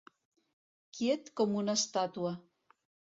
Quiet com una estàtua.